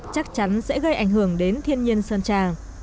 chắc chắn sẽ gây ảnh hưởng đến thiên nhiên sơn trà